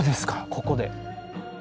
ここで。